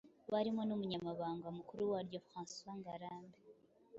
barimo n'umunyamabanga mukuru waryo François Ngarambe